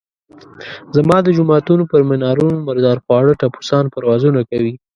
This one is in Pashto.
زما د جوماتونو پر منارونو مردار خواره ټپوسان پروازونه کوي.